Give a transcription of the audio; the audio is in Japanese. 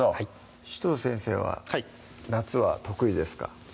紫藤先生は夏は得意ですか？